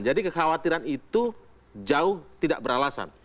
jadi kekhawatiran itu jauh tidak beralasan